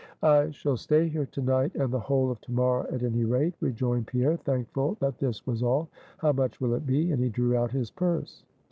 "I shall stay here to night and the whole of to morrow, at any rate," rejoined Pierre, thankful that this was all; "how much will it be?" and he drew out his purse.